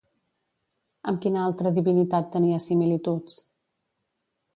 Amb quina altra divinitat tenia similituds?